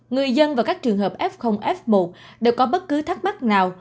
người dân và các trường hợp f f một đều có bất cứ thắc mắc nào